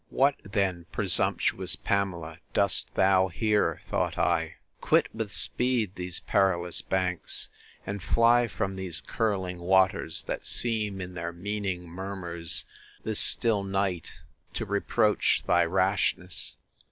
What then, presumptuous Pamela, dost thou here? thought I: Quit with speed these perilous banks, and fly from these curling waters, that seem, in their meaning murmurs, this still night, to reproach thy rashness!